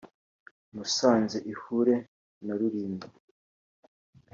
Musanze ihure na Rulindo